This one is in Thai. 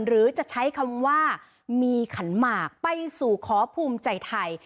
หรือจะใช้คำว่ามีขันหมากไปสู่ขอภูมิใจไทย